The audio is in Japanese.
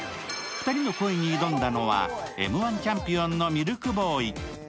２人の声に挑んだのはＭ−１チャンピオンのミルクボーイ。